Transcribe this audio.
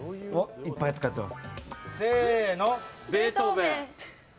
いっぱい使ってます。